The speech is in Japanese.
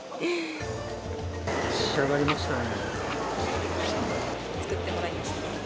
仕上がりましたね。